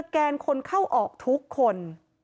แกนคนเข้าออกทุกคน